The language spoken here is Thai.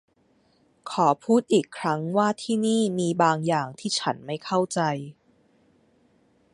ขอพูดอีกครั้งว่าที่นี่มีบางอย่างที่ฉันไม่เข้าใจ